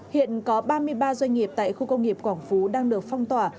hiện có ba mươi ba doanh nghiệp tại khu công nghiệp quảng phú đang được phong tỏa